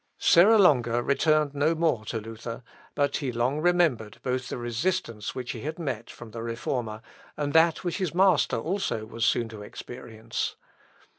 Serra Longa returned no more to Luther; but he long remembered both the resistance which he had met with from the Reformer, and that which his master also was soon to experience.